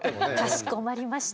かしこまりました。